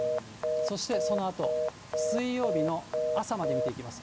そしてそのあと、水曜日の朝まで見ていきます。